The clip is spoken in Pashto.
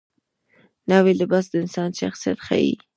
نوی لباس د انسان شخصیت ښیي